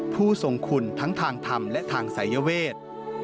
ผู้ทรงคุณทั้งทางธรรมและทางสายเวท